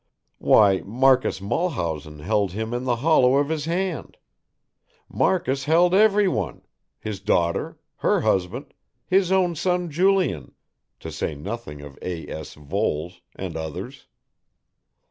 Why Marcus Mulhausen held him in the hollow of his hand. Marcus held everyone: his daughter, her husband, his own son Julian, to say nothing of A. S. Voles and others.